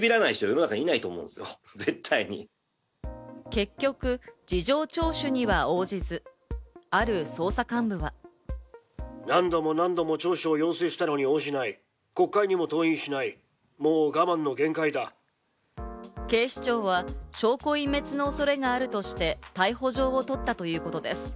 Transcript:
結局、事情聴取には応じず、ある捜査幹部は。警視庁は証拠隠滅の恐れがあるとして逮捕状をとったということです。